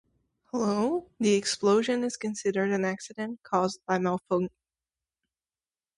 The explosion is considered an accident caused by a malfunction.